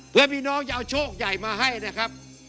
เพื่อพี่น้องจะเอาโชคใหญ่มาให้นะครับ